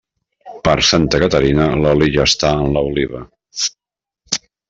Per Santa Caterina, l'oli ja està en l'oliva.